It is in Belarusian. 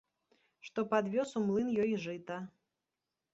Што падвёз у млын ёй жыта.